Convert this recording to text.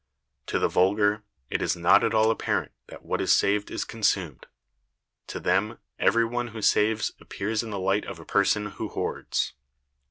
To the vulgar, it is not at all apparent that what is saved is consumed. To them, every one who saves appears in the light of a person who hoards.